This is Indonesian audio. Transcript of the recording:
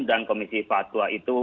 dan komisi fatwa itu